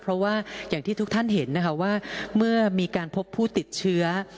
เพราะว่าอย่างที่ทุกท่านเห็นนะคะว่าเมื่อมีการพบผู้ติดเชื้อ